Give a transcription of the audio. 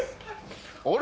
あれ？